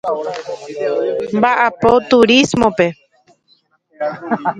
Mba'apo turismope.